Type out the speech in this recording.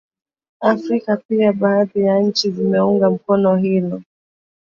Afrika pia baadhi ya nchi zimeunga mkono Hilo